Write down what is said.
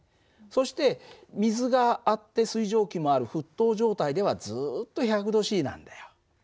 そして水があって水蒸気もある沸騰状態ではずっと１００℃なんだよ。